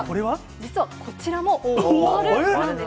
実はこちらも〇なんです。